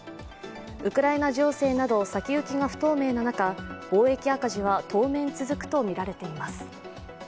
ウクライナ情勢など先行きが不透明な中貿易赤字は、当面続くとみられています。